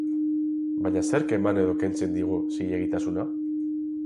Baina zerk eman edo kentzen digu zilegitasuna?